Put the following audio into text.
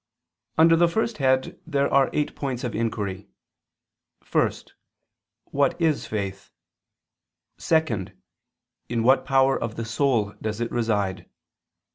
Under the first head there are eight points of inquiry: (1) What is faith? (2) In what power of the soul does it reside?